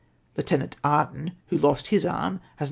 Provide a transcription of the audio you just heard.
Lieutenant Arden, who lost his arm, has 91